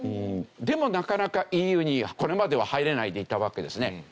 でもなかなかＥＵにこれまでは入れないでいたわけですね。